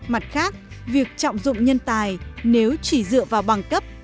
mặt khác việc trọng dụng nhân tài nếu chỉ dựa vào bằng cấp